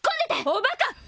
おバカ！